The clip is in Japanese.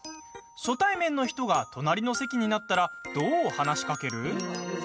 初対面の人が隣の席になったらどう話しかける？